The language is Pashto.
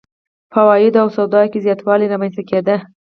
په عوایدو او سواد کې زیاتوالی رامنځته کېده.